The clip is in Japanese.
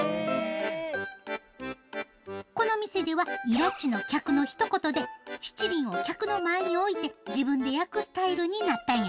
この店ではいらちの客のひと言で七輪を客の前に置いて自分で焼くスタイルになったんや。